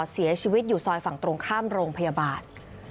เสียชีวิตอยู่ซอยฝั่งตรงข้ามโรงพยาบาล